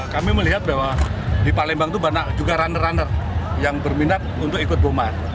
kami melihat bahwa di palembang itu banyak juga runner runner yang berminat untuk ikut bomar